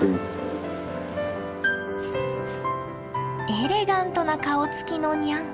エレガントな顔つきのニャン。